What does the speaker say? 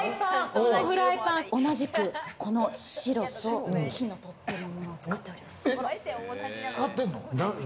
このフライパン、同じく、この白と、木の取っ手のものを使っております。